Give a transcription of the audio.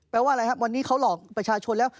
ว่าอะไรครับวันนี้เขาหลอกประชาชนแล้ว